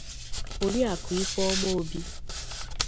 Oriakụ Ifeọma Obi